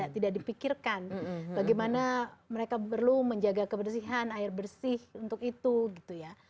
tidak dipikirkan bagaimana mereka perlu menjaga kebersihan air bersih untuk itu gitu ya